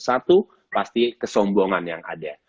satu pasti kesombongan yang ada